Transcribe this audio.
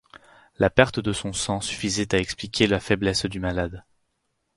La perte de son sang suffisait à expliquer la faiblesse du malade.